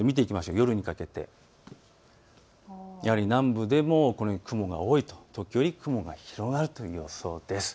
夜にかけてやはり南部でもこのように雲が多いと時折、雲が広がるという予想です。